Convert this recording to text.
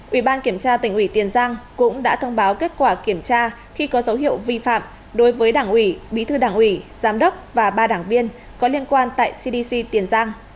ubnd tỉnh tiền giang cũng đã thông báo kết quả kiểm tra khi có dấu hiệu vi phạm đối với đảng ủy bí thư đảng ủy giám đốc và ba đảng viên có liên quan tại cdc tiền giang